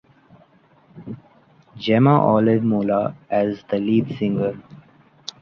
Gemma Olivés Mola, as the lead singer.